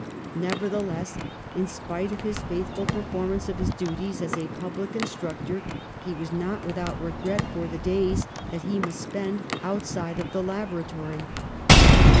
Nevertheless, in spite of his faithful performance of his duties as a public instructor, he v/as not v\^ithout re gret for the days that he must spend outside of the laboratory.